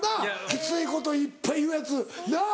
きついこといっぱい言うヤツなっ。